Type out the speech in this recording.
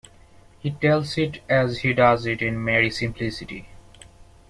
He tells it as he does it in mere simplicity.